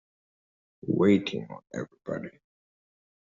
Waiting on everybody.